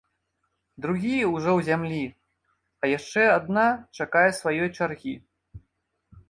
Другія ўжо ў зямлі, а яшчэ адна чакае сваёй чаргі.